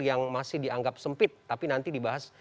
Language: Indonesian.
yang masih dianggap sempit tapi nanti dibahas